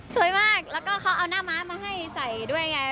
สวยมากแล้วก็เขาเอาหน้าม้ามาให้ใส่ด้วยไง